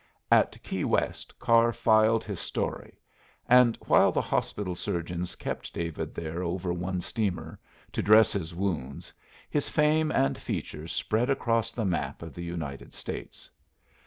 At Key West Carr filed his story and while the hospital surgeons kept David there over one steamer, to dress his wounds, his fame and features spread across the map of the United States.